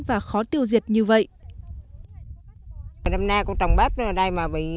và khó tiêu diệt như vậy